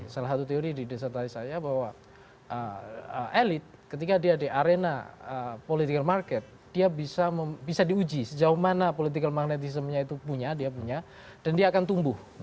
salah satu teori didesertai saya bahwa elit ketika dia di arena political market dia bisa diuji sejauh mana political magnetismnya itu punya dia punya dan dia akan tumbuh